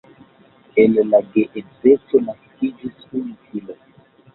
El la geedzeco naskiĝis unu filo.